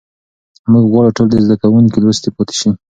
موږ غواړو ټول زده کوونکي لوستي پاتې سي.